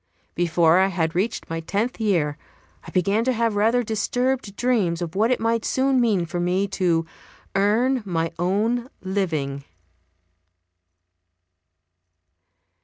Before I had reached my tenth year I began to have rather disturbed dreams of what it might soon mean for me to "earn my own living."